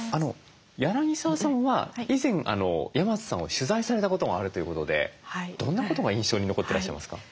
柳澤さんは以前山津さんを取材されたことがあるということでどんなことが印象に残ってらっしゃいますか？